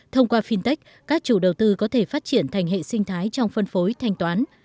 thông qua fintech các chủ đầu tư có thể phát triển thành hệ sinh thái trong phân phối thanh toán